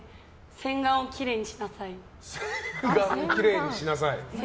洗顔をきれいにしなさいって。